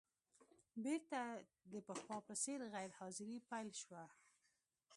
بېرته د پخوا په څېر غیر حاضري پیل شوه.